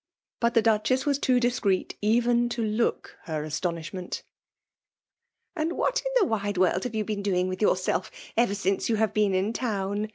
But the Duchess was too discreet even to look her astonishment. " And what in the wide world have you been FKMALS JXmiNATION. 287 with joorself ever since you kave beea in town?"